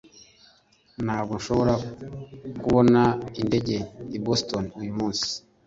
Ntabwo nshobora kubona indege i Boston uyu munsi